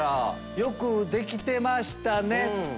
よくできてましたね！